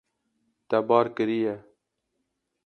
Te bar kiriye.